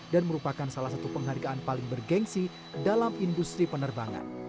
dan merupakan salah satu penghargaan paling bergensi dalam industri penerbangan